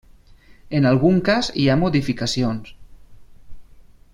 En algun cas hi ha modificacions.